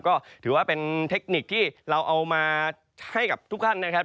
ก็ถือว่าเป็นเทคนิคที่เราเอามาให้กับทุกท่านนะครับ